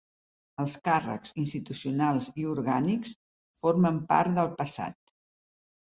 Els càrrecs institucionals i orgànics formen part del passat.